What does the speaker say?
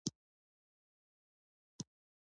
د زده کړې دا سیستم ډېر سخت و.